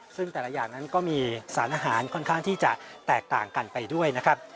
ซึ่งแต่ละอย่างนั้นก็มีสารอาหารค่อนข้างที่จะแตกต่างกันไปด้วยนะครับ